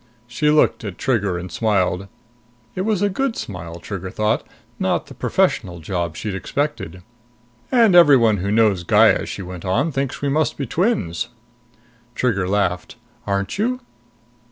She looked at Trigger and smiled. It was a good smile, Trigger thought; not the professional job she'd expected. "And everyone who knows Gaya," she went on, "thinks we must be twins." Trigger laughed. "Aren't you?"